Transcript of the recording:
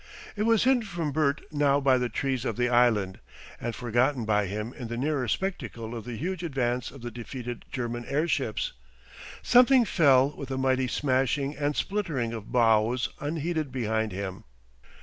It was hidden from Bert now by the trees of the island, and forgotten by him in the nearer spectacle of the huge advance of the defeated German airship. Something fell with a mighty smashing and splintering of boughs unheeded behind him.